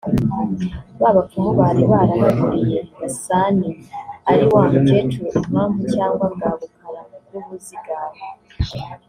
ba bapfumu bari bararaguriye Gasani (ari wa mukecuru Impamvu cyagwa bwa Bukara bw’Ubuzigaba)